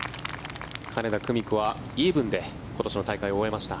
金田久美子はイーブンで今年の大会を終えました。